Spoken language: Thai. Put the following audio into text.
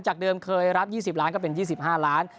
เดิมเคยรับ๒๐ล้านก็เป็น๒๕ล้าน